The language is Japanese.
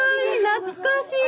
懐かしい。